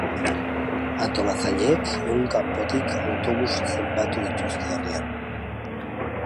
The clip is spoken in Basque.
Antolatzaileek ehun kanpotik autobus zenbatu dituzte herrian.